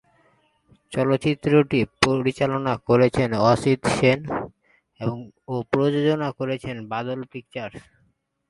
চলচ্চিত্রটি পরিচালনা করেছেন অসিত সেন ও প্রযোজনা করেছেন বাদল পিকচার্স।